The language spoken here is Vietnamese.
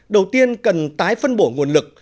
đầu tiên cần tái phân bổ nguồn lực